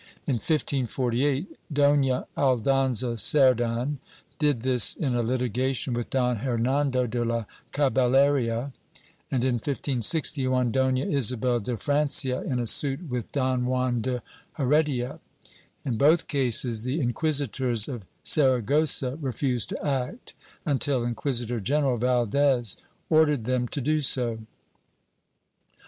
In 1548 Dofia Aldonza Cerdan did this in a litigation with Don Hernando de la Caballeria and, in 1561, Doila Isabel de Francia in a suit with Don Juan de Heredia. In both cases the inquisitors of Sara gossa refused to act until Inquisitor general Valdes ordered them to do so.